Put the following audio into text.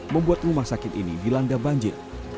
membuat rumah sakit ini dilanda banjir